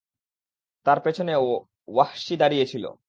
তার পেছনে ওয়াহশী দাঁড়িয়ে ছিল।